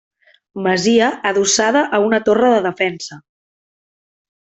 Masia adossada a una torre de defensa.